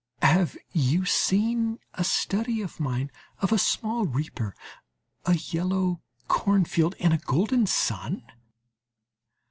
Have you seen a study of mine of a small reaper, a yellow cornfield and a golden sun?